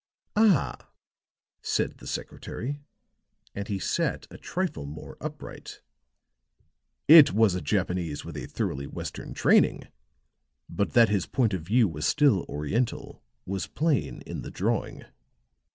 "Ah!" said the secretary. And he sat a trifle more upright. "It was a Japanese with a thoroughly Western training; but that his point of view was still Oriental was plain in the drawing.